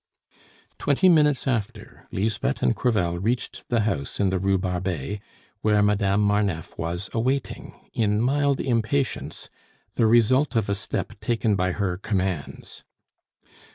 Twenty minutes after, Lisbeth and Crevel reached the house in the Rue Barbet, where Madame Marneffe was awaiting, in mild impatience, the result of a step taken by her commands.